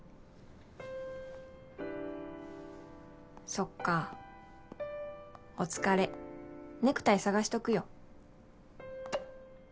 「そっかお疲れ、ネクタイ探しとくよ」。